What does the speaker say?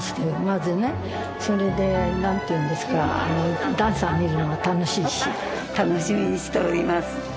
まずねそれで何ていうんですかあのダンサー見るのが楽しいし楽しみにしております